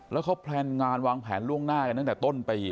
แล้วเขาแพลนงานวางแผนล่วงหน้ากันตั้งแต่ต้นปี